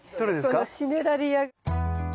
このシネラリア。